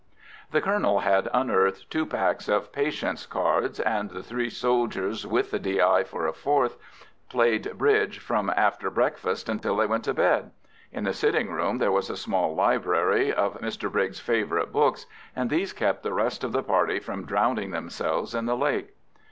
The colonel had unearthed two packs of patience cards, and the three soldiers, with the D.I. for a fourth, played bridge from after breakfast until they went to bed. In the sitting room there was a small library of Mr Briggs' favourite books, and these kept the rest of the party from drowning themselves in the lake.